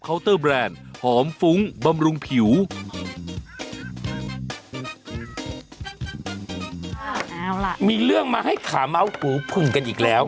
เอาล่ะมีเรื่องมาให้ขาเมาสูผึ่งกันอีกแล้ว